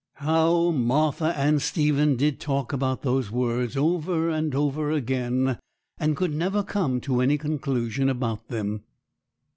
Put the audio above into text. How Martha and Stephen did talk about those words over and over again, and could never come to any conclusion about them.